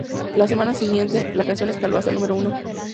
La semana siguiente, la canción escaló hasta el número uno.